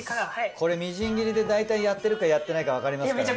これみじん切りでだいたいやってるかやってないかわかりますからね。